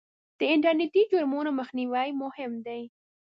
د انټرنېټي جرمونو مخنیوی مهم دی.